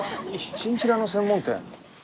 チンチラの専門店？